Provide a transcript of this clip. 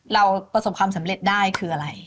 เราประสบความสำเร็จได้คืออะไร